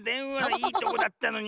いいとこだったのに。